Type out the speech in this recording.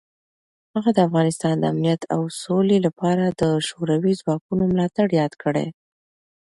هغه د افغانستان د امنیت او سولې لپاره د شوروي ځواکونو ملاتړ یاد کړ.